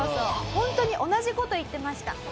ホントに同じ事言ってました。